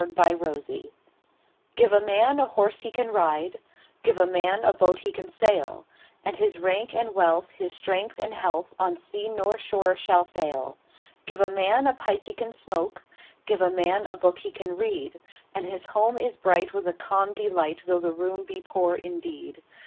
Gifts GIVE a man a horse he can ride, Give a man a boat he can sail; And his rank and wealth, his strength and health, On sea nor shore shall fail. Give a man a pipe he can smoke, 5 Give a man a book he can read: And his home is bright with a calm delight, Though the room be poor indeed.